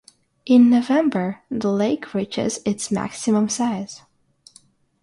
In November the lake reaches its maximum size.